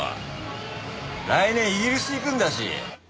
来年イギリス行くんだし。